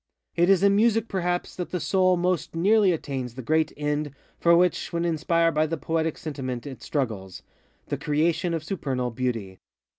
It is in Music perhaps that the soul most nearly attains the great end for which, when inspired by the Poetic Sentiment, it strugglesŌĆöthe creation of supernal Beauty.